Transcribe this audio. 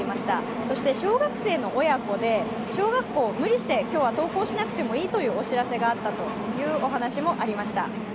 そして小学生の親子で、小学校は今日は無理して登校しなくてもいいというお知らせがあったというお話もありました。